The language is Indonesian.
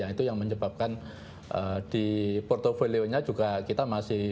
itu yang menyebabkan di portfolio nya juga kita masih